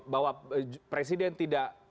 bahwa presiden tidak